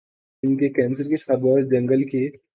ان کے کینسر کی خبر جنگل کی